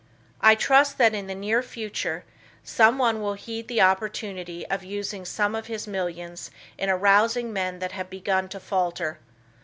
I trust that in the near future, someone will heed the opportunity of using some of his millions in arousing men that have begun to falter.